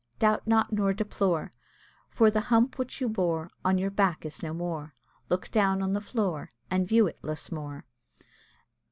Doubt not, nor deplore, For the hump which you bore On your back is no more; Look down on the floor, And view it, Lusmore!"